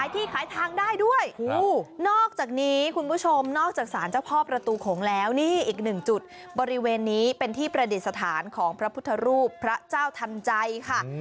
ที่ขายทางได้ด้วยนอกจากนี้คุณผู้ชมนอกจากสารเจ้าพ่อประตูโขงแล้วนี่อีกหนึ่งจุดบริเวณนี้เป็นที่ประดิษฐานของพระพุทธรูปพระเจ้าทันใจค่ะ